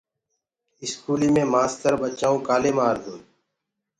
اسڪولي مي مآستر ٻچآئون ڪآلي مآردوئي